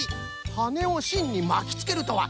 はねをしんにまきつけるとは。